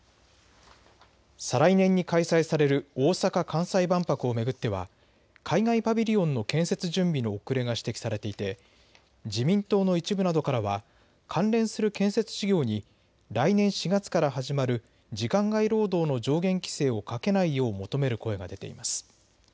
再来年に開催される大阪・関西万博を巡っては海外パビリオンの建設準備の遅れが指摘されていて自民党の一部などからは関連する建設事業に来年４月から始まる時間外労働の上限規制をかけないよう求める声が出ています。